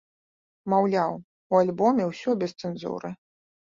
Маўляў у альбоме ўсё без цэнзуры.